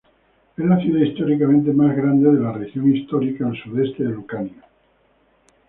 Es la ciudad históricamente más grande de la región histórica al sudoeste de Lucania.